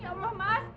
ya allah mas